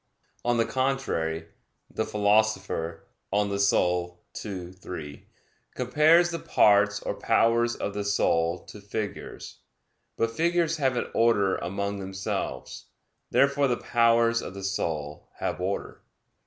On the contrary, The Philosopher (De Anima ii, 3) compares the parts or powers of the soul to figures. But figures have an order among themselves. Therefore the powers of the soul have order.